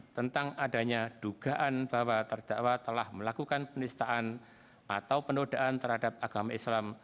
tentang adanya dugaan bahwa terdakwa telah melakukan penistaan atau penodaan terhadap agama islam